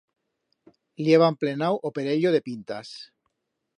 Li heban plenau o perello de pintas.